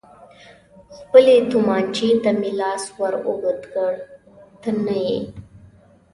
خپلې تومانچې ته مې لاس ور اوږد کړ، ته نه یې.